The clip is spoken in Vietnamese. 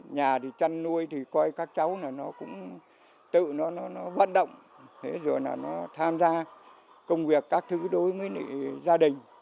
nhà chăn nuôi thì coi các cháu nó cũng tự nó vận động rồi nó tham gia công việc các thứ đối với gia đình